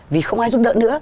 vì không ai giúp đỡ nữa